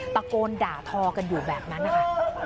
ตะโกนด่าทอกันอยู่แบบนั้นนะคะ